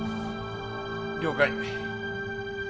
了解。